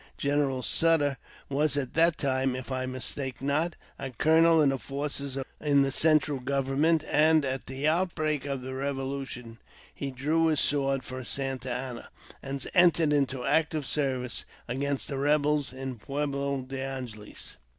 General Sutter, was at that time, if I mistake not, a colonel in the forces of the central government, and at the outbreak of the revolution he drew his sword for Santa Anna, and entered into active service against the rebels in Pueblo de Angeles.